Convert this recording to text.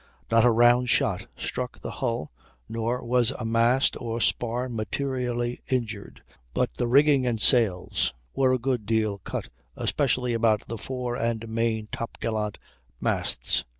Not a round shot struck the hull, nor was a mast or spar materially injured, but the rigging and sails were a good deal cut, especially about the fore and main top gallant masts.